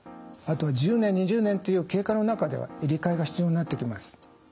あと１０年２０年という経過の中では入れ替えが必要になってきます。